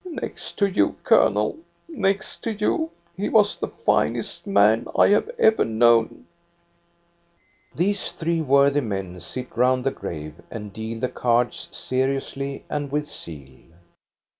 " Next to you, colonel, next to you he was the finest man I have ever known." r THE CHURCHYARD 353 These three worthy men sit round the grave and deal the cards seriously and with zeal.